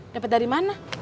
dapet dari mana